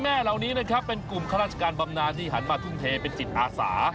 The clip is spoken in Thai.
แม่เหล่านี้นะครับเป็นกลุ่มข้าราชการบำนานที่หันมาทุ่มเทเป็นจิตอาสา